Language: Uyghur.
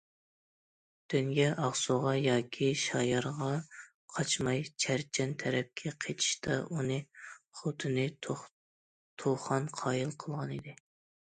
خوتەنگە، ئاقسۇغا ياكى شايارغا قاچماي چەرچەن تەرەپكە قېچىشتا ئۇنى خوتۇنى تۇخان قايىل قىلغانىدى.